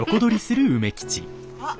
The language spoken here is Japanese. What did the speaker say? あっ！